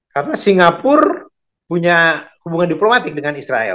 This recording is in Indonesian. karena singapura punya hubungan diplomatik dengan israel